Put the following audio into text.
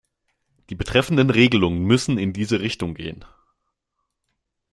Die betreffenden Regelungen müssen in diese Richtung gehen.